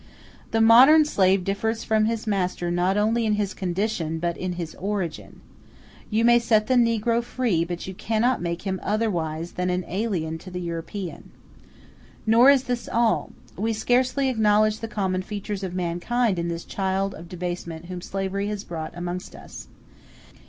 The modern slave differs from his master not only in his condition, but in his origin. You may set the negro free, but you cannot make him otherwise than an alien to the European. Nor is this all; we scarcely acknowledge the common features of mankind in this child of debasement whom slavery has brought amongst us.